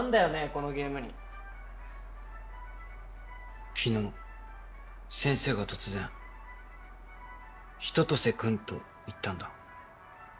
このゲームに昨日先生が突然春夏秋冬君と言ったんだ